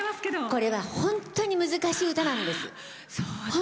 これは本当に難しい歌なんです。